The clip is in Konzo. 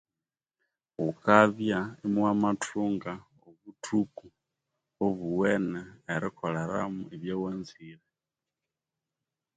Wukabya imuwamathunga obuthuku obuwene erikoleramu ebya wanzire.